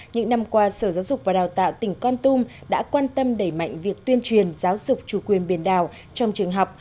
những năm qua sở giáo dục và đào tạo tỉnh con tum đã quan tâm đẩy mạnh việc tuyên truyền giáo dục chủ quyền biển đảo trong trường học